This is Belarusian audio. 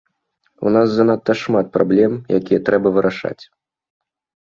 У нас занадта шмат праблем, якія трэба вырашаць.